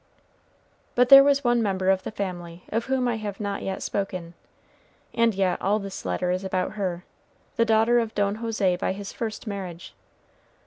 But there was one member of the family of whom I have not yet spoken, and yet all this letter is about her, the daughter of Don José by his first marriage.